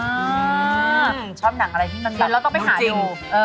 เราก็ต้องไปหาดู